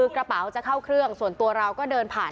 กระเป๋าจะเข้าเครื่องส่วนตัวเราก็เดินผ่าน